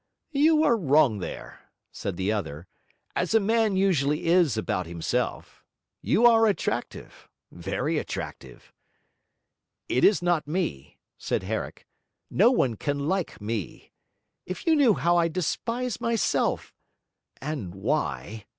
'You are wrong there,' said the other, 'as a man usually is about himself. You are attractive, very attractive.' 'It is not me,' said Herrick; 'no one can like me. If you knew how I despised myself and why!'